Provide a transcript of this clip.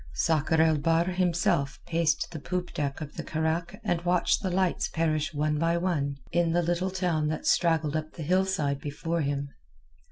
Sakr el Bahr himself paced the poop deck of the carack and watched the lights perish one by one in the little town that straggled up the hillside before him.